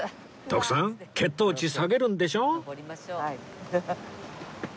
徳さん血糖値下げるんでしょ？